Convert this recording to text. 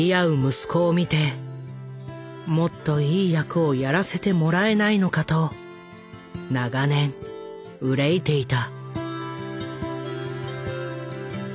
息子を見てもっといい役をやらせてもらえないのかと長年憂いていた。